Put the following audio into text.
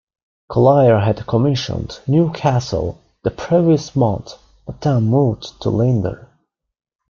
Collier had commissioned "Newcastle" the previous month, but then moved to "Leander".